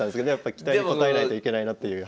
期待に応えないといけないなという。